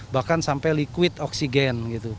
bahkan sampai liquid oksigen